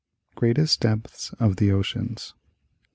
Greatest Depths of the Oceans.